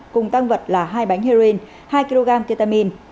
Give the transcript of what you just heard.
cùng tăng vật là hai bánh heroin hai kg ketamin